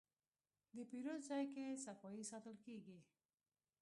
د پیرود ځای کې صفایي ساتل کېږي.